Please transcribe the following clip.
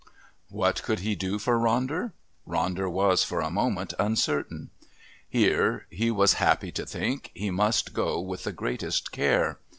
What could he do for Ronder? Ronder was, for a moment, uncertain. Here, he was happy to think, he must go with the greatest care.